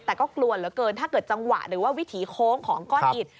แต่ก็กลัวเหลือเกินถ้าเกิดจังหวะหรือว่าวิถีโค้งของก้อนอิด